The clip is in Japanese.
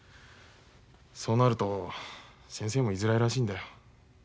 そうなると先生も居づらいらしいんだよ。